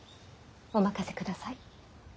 お任せください。